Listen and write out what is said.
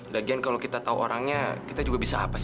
lagian kalau kita tahu orangnya kita juga bisa melakukannya